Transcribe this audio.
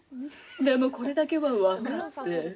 でも、これだけは分かって。